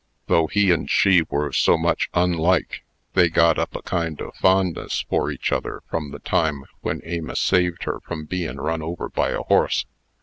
Though he and she were so much unlike, they got up a kind o' fondness for each other from the time when Amos saved her from bein' run over by a horse.